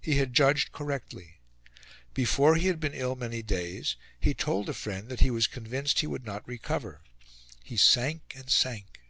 He had judged correctly. Before he had been ill many days, he told a friend that he was convinced he would not recover. He sank and sank.